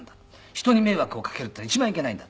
「人に迷惑をかけるっていうのは一番いけないんだ」。